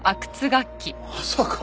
まさか。